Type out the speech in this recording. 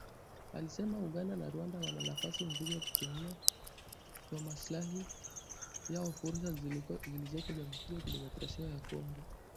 Alisema Uganda na Rwanda wana nafasi nzuri ya kutumia kwa maslahi yao fursa zilizoko Jamhuri ya kidemokrasia ya Kongo.